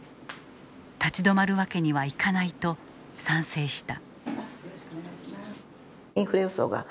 立ち止まるわけにはいかないと賛成した。